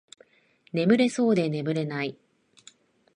眠れそうで眠れない